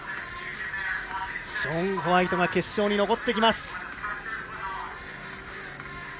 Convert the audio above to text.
ショーン・ホワイトが決勝に残っています。